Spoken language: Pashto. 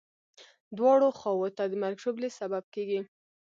دواړو خواوو ته د مرګ ژوبلې سبب کېږي.